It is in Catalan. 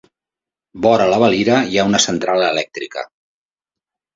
Vora la Valira hi ha una central elèctrica.